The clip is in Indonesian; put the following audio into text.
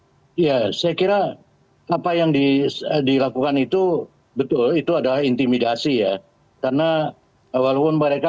ya saya kira apa yang dilakukan itu betul itu adalah intimidasi ya karena walaupun mereka